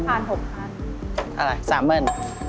อะไร